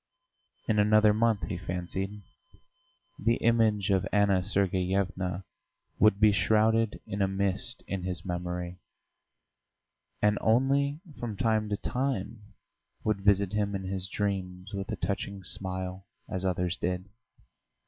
In another month, he fancied, the image of Anna Sergeyevna would be shrouded in a mist in his memory, and only from time to time would visit him in his dreams with a touching smile as others did.